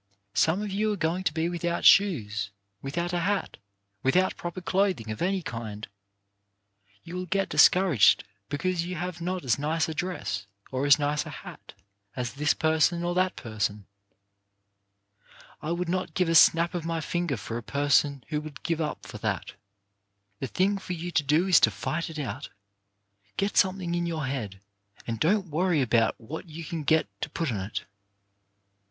Some of you are going to be without shoes, without a hat, without proper clothing of any kind. You will get discouraged because you have not as nice a dress or as nice a hat as this person or that person. I would not give a snap of my finger for a person who would give up for that. The thing for you to do is to fight it out. Get something in your head, and don't worry about what you can get to put on it.